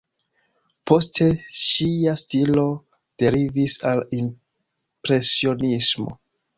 Poste ŝia stilo derivis al impresionismo.